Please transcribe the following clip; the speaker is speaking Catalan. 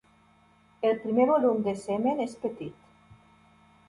El primer volum de semen és petit.